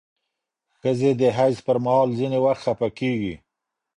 ښځې د حیض پر مهال ځینې وخت خپه کېږي.